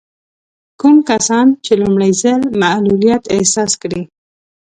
کوم کسان چې لومړی ځل معلوليت احساس کړي.